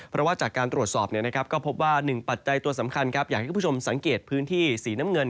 เพราะว่าจากการตรวจสอบก็พบว่าหนึ่งปัจจัยตัวสำคัญอยากให้คุณผู้ชมสังเกตพื้นที่สีน้ำเงิน